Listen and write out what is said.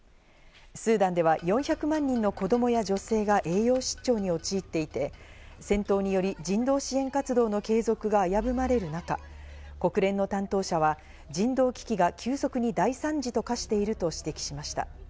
スーダンでは４００万人の子供や女性が栄養失調に陥っていて、戦闘により人道支援活動の継続が危ぶまれる中、国連の担当者は、人道危機が急速に大惨事と化していると指摘しました。